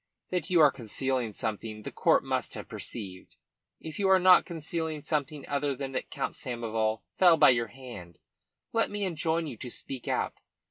That you are concealing something the court must have perceived. If you are not concealing something other than that Count Samoval fell by your hand, let me enjoin you to speak out.